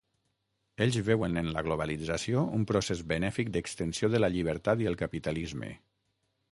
Ells veuen en la globalització un procés benèfic d'extensió de la llibertat i el capitalisme.